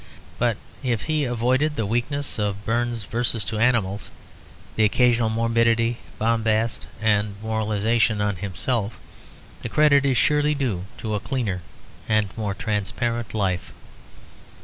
But if he avoided the weakness of Burns' verses to animals, the occasional morbidity, bombast, and moralisation on himself, the credit is surely due to a cleaner and more transparent life.